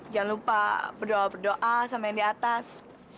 jangan lupa berdoa berdoa sama yang di atas